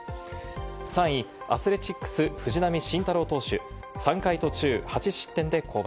３位・アスレチックス・藤浪晋太郎投手、３回途中８失点で降板。